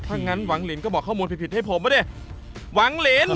ถ้างั้นหวังลินก็บอกข้อมูลผิดให้ผมป่ะเนี่ย